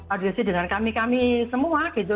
audiensi dengan kami kami semua gitu